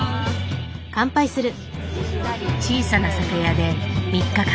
小さな酒屋で３日間。